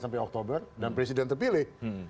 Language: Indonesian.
sampai oktober dan presiden terpilih